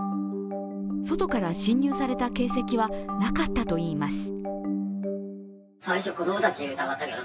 外から侵入された形跡はなかったといいます。